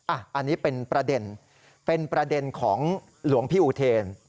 อันนี้เป็นประเด็นเป็นประเด็นของหลวงพี่อุเทน